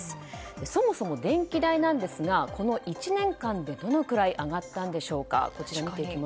そもそも電気代なんですがこの１年間でどのくらい上がったんでしょうか。